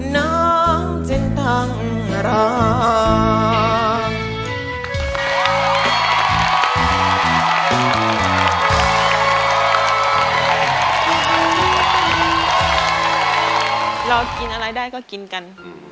น้องจริงทั้งรอ